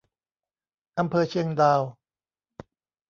อำเภอเชียงดาว